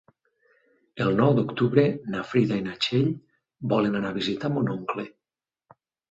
El nou d'octubre na Frida i na Txell volen anar a visitar mon oncle.